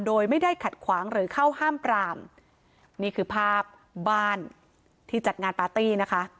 โดยไม่ได้ขัดขวางหรือเข้าห้ามปรามนี่คือภาพบ้านที่จัดงานปาร์ตี้นะคะ